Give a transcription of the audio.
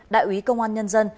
đại quý công an nhân dân